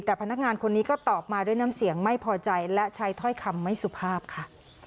แต่พนักงานคนนี้ก็ตอบมาด้วยน้ำเสียงไม่พอใจและใช้ถ้อยคำไม่สุภาพค่ะ